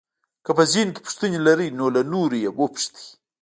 که په ذهن کې پوښتنې لرئ نو له نورو یې وپوښته.